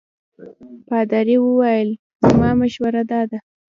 پادري وویل زما مشوره دا ده.